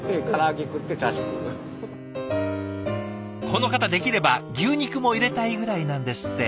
この方できれば牛肉も入れたいぐらいなんですって。